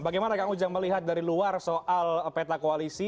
bagaimana kang ujang melihat dari luar soal peta koalisi